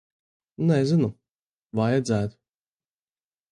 Nezinu. Vajadzētu.